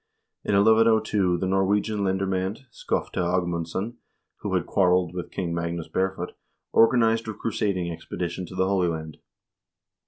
In 1102 the Norwegian lendermand, Skofte Agmundsson, who had quarreled with King Magnus Barefoot, organized a crusading expe dition to the Holy Land.